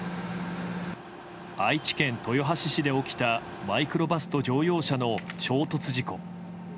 愛知県豊橋市で起きたマイクロバスと乗用車の衝突事故。